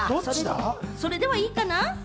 それではいいかな？